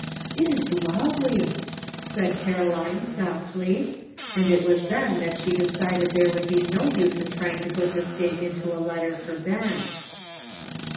" "It is lovely !" said Caroline softly. And it was then that she decided there would be no use in trying to put this day into a letter for Ben.